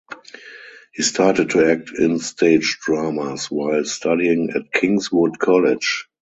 He started to act in stage dramas while studying at Kingswood College.